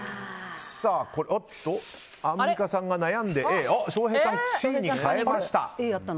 アンミカさんが悩んでＡ翔平さん、Ｃに変えました。